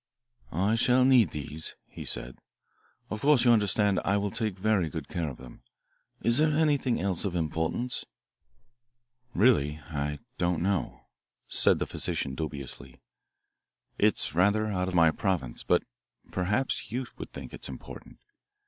"I shall need these," he said. "Of course you understand I will take very good care of them. Is there anything else of importance?" "Really, I don't know," said the physician dubiously. "It's rather out of my province, but perhaps you would think it important.